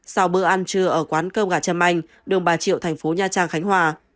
sau bữa ăn trưa ở quán cơm gà trâm anh đường bà triệu thành phố nha trang khánh hòa